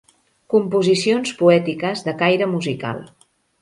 Composicions poètiques de caire musical.